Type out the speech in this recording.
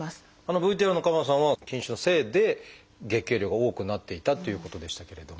ＶＴＲの鎌田さんは筋腫のせいで月経量が多くなっていたっていうことでしたけれども。